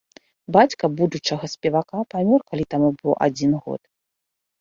Бацька будучага спевака памёр, калі таму быў адзін год.